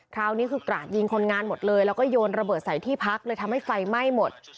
คราวนี้คือกราดยิงคนงานหมดเลยแล้วก็โยนระเบิดใส่ที่พักเลยทำให้ไฟไหม้หมด